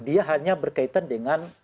dia hanya berkaitan dengan